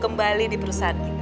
kembali di perusahaan kita